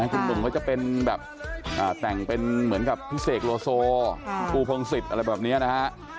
คุณหนุ่มเขาจะเป็นแบบแต่งเป็นเหมือนกับพี่เสกโลโซปูพงศิษย์อะไรแบบนี้นะฮะ